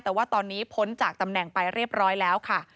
แต่ว่าตอนนี้พ้นจากตำแหน่งไปเรียบร้อยแล้วค่ะ